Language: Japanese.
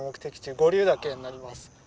五竜岳になります。